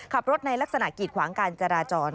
ขับรถในลักษณะกีดขวางการจราจร